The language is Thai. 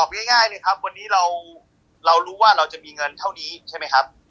ง่ายเลยครับวันนี้เรารู้ว่าเราจะมีเงินเท่านี้ใช่ไหมครับ